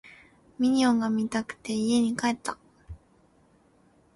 ミニオンが見たくて家に帰った